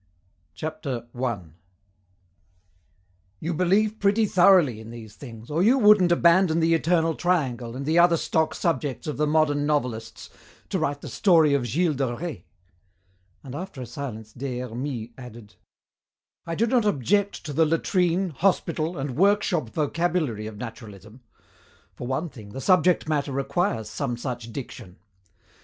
] CHAPTER I "You believe pretty thoroughly in these things, or you wouldn't abandon the eternal triangle and the other stock subjects of the modern novelists to write the story of Gilles de Rais," and after a silence Des Hermies added, "I do not object to the latrine; hospital; and workshop vocabulary of naturalism. For one thing, the subject matter requires some such diction.